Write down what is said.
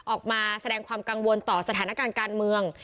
ออกมาแสดงความกังวลต่อสถานการณ์การเมือง